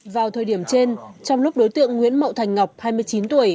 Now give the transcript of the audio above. vào thời điểm trên trong lúc đối tượng nguyễn mậu thành ngọc hai mươi chín tuổi